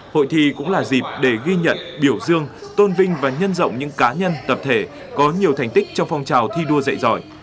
hội thi cũng là dịp để ghi nhận biểu dương tôn vinh và nhân rộng những cá nhân tập thể có nhiều thành tích trong phong trào thi đua dạy giỏi